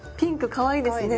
かわいいですね。